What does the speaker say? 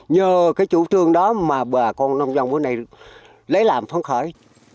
nhờ chủ trương đó mà bà con nông dân vừa này lấy làm phóng khởi